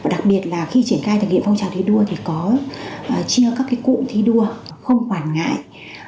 đặc biệt là khi triển khai thực hiện phong trào thi đua thì có chia các cái cụm thi đua không quản ngại